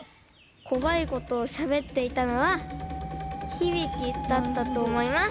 怖いことをしゃべっていたのはヒビキだったとおもいます。